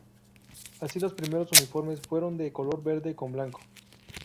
Así, los primeros uniformes fueron de color verde con blanco.